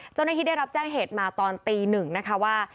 เจ้าหน้าที่ได้รับแจ้งเหตุมาตอนตีหนึ่งนะคะว่า